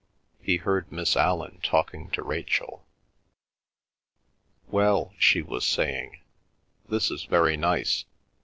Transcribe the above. He heard Miss Allan talking to Rachel. "Well," she was saying, "this is very nice.